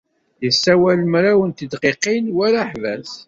Yessawal mraw n tedqiqin war aḥbas.